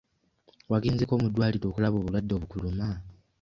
Wagenzeeko mu ddwaliro okulaba obulwadde obukuluma?